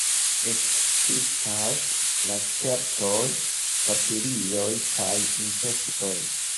Ekzistas lacertoj, papilioj kaj insektoj.